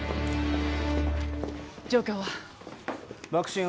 状況は？